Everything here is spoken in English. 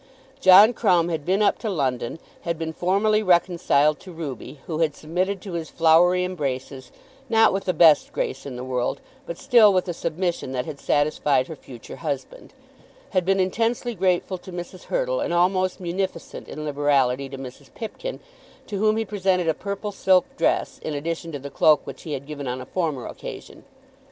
John Crumb had been up to London, had been formally reconciled to Ruby, who had submitted to his floury embraces, not with the best grace in the world, but still with a submission that had satisfied her future husband, had been intensely grateful to Mrs. Hurtle, and almost munificent in liberality to Mrs. Pipkin, to whom he presented a purple silk dress, in addition to the cloak which he had given on a former occasion.